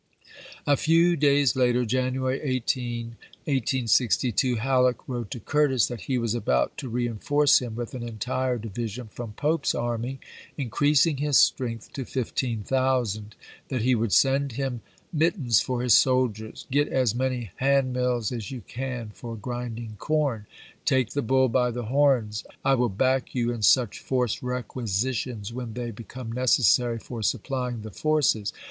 A few days later ^ p! 1m"' (January 18, 1862), Halleck wrote to Curtis that he was about to reenforce him with an entire di vision from Pope's army, increasing his strength to fifteen thousand ; that he would send him mit tens for his soldiers ;" get as many hand mills as you can for grinding corn. .. Take the bull by the horns. I will back you in such forced requi sitions when they become necessary for supplying ^curt^, the forces.